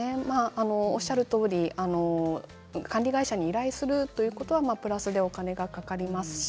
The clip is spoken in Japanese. おっしゃるとおり管理会社に依頼することはプラスでお金がかかります。